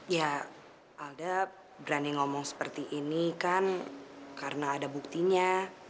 ya alda berani ngomong seperti ini kan karena ada buktinya